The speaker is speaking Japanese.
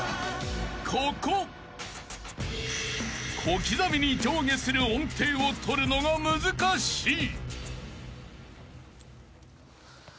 ［小刻みに上下する音程を取るのが難しい］